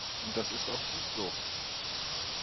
Und das ist auch gut so.